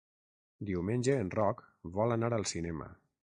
Diumenge en Roc vol anar al cinema.